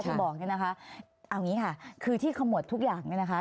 บอกเนี่ยนะคะเอาอย่างนี้ค่ะคือที่ขมวดทุกอย่างเนี่ยนะคะ